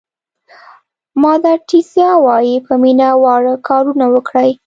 مادر تریسیا وایي په مینه واړه کارونه وکړئ.